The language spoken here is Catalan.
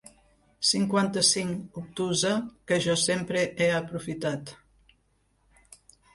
Cinquanta-cinc obtusa que jo sempre he aprofitat.